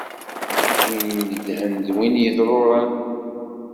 Win inedhen d win yeḍṛuṛan.